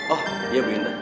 oh iya bu indra